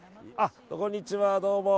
こんにちは、どうも。